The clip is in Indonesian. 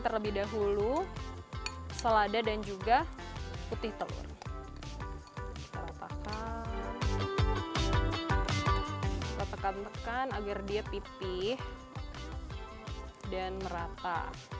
terlebih dahulu selada dan juga putih telur kita tekan tekan agar dia pipih dan merata